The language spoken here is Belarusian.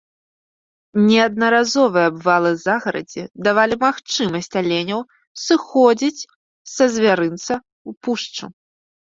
Неаднаразовыя абвалы загарадзі давалі магчымасць аленям сыходзіць са звярынца ў пушчу.